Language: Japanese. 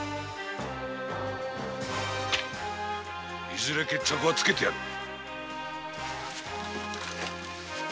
いずれ決着はつけてやる。